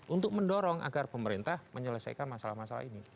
untuk mendorong agar pemerintah menyelesaikan masalah masalah ini